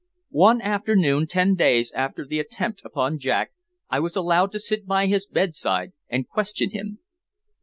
One afternoon, ten days after the attempt upon Jack, I was allowed to sit by his bedside and question him.